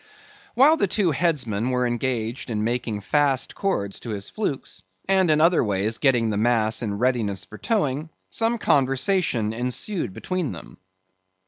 While the two headsmen were engaged in making fast cords to his flukes, and in other ways getting the mass in readiness for towing, some conversation ensued between them.